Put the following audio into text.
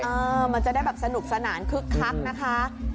เออมันจะได้แบบสนุกสนานคึกคักนะคะ